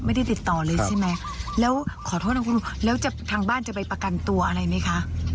ติดต่อเลยใช่ไหมแล้วขอโทษนะคุณแล้วจะทางบ้านจะไปประกันตัวอะไรไหมคะ